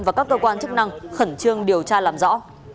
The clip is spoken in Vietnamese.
và các cơ quan chức năng khẩn trương điều tra làm rõ